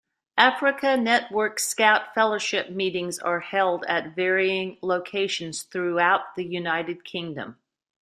Africa Network Scout Fellowship meetings are held at varying locations throughout the United Kingdom.